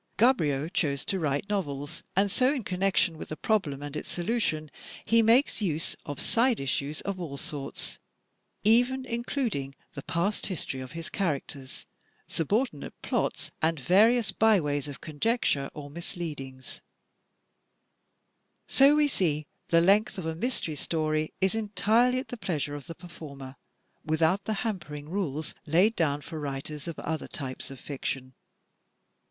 Gaboriau chose to write novels, and so in connection with the problem and its solution he makes use of side issues of all sorts; even including the past history of his characterSy subordinate plots, and various byways of conjecture or mis leadings. STRUCTURE 281 So we see the length of a Mystery Story is entirely at the pleasure of the performer, without the hampering rules laid down for the writers of other types of fiction.